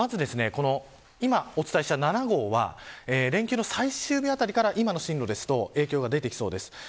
今、お伝えした７号は連休の最終日あたりから今の進路だと影響が出てきそうです。